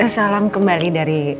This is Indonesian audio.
salam kembali dari